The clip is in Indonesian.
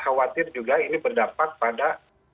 awatir juga ini berdapat pada